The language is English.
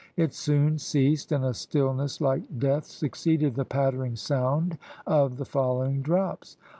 It soon ceased, and a stillness like death succeeded the pattering sound of the falling drops.